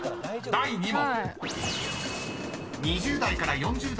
［第２問］